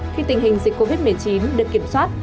khi tình hình dịch covid một mươi chín được kiểm soát